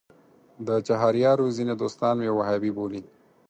د چهاریارو ځینې دوستان مې وهابي بولي.